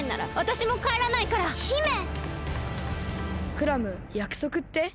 クラムやくそくって？